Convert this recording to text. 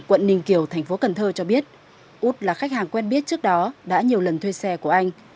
quận ninh kiều thành phố cần thơ cho biết út là khách hàng quen biết trước đó đã nhiều lần thuê xe của anh